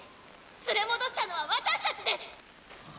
連れ戻したのは私達です！